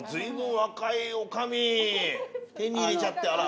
手に入れちゃってあら。